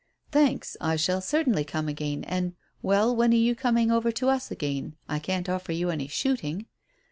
"Thanks. I shall certainly come again. And well, when are you coming over to us again? I can't offer you any shooting."